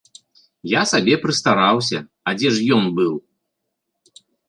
Я сабе прыстараўся, а дзе ж ён быў?